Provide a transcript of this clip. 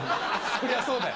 そりゃそうだよ。